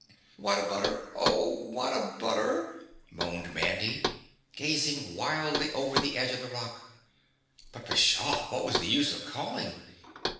"What a butter! Oh What a butter!" moaned Mandy, gazing wildly over the edge of the rock. But pshaw, what was the use of calling?